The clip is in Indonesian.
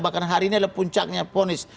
bahkan hari ini adalah puncaknya ponis